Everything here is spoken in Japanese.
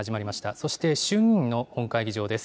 そして、衆議院の本会議場です。